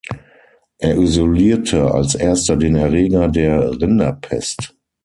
Er isolierte als erster den Erreger der Rinderpest.